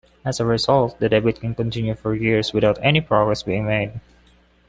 As a result, the debate can continue for years without any progress being made.